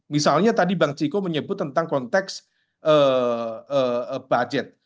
misalnya tadi bang ciko menyebut tentang konteks budget